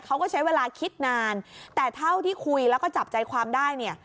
เขาก็ใช้เวลาคิดนานแต่เท่าที่คุยแล้วก็จับใจความได้เนี่ย